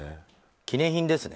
記念品ですね。